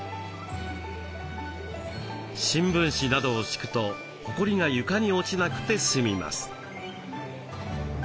新聞紙などを敷くとホコリが床に落ちなくて済みます。